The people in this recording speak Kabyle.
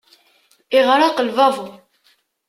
Iɣreq lbabur.